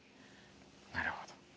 なるほど。